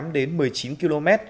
một mươi tám đến một mươi chín km